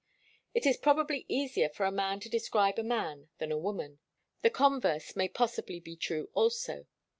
It is probably easier for a man to describe a man than a woman. The converse may possibly be true also.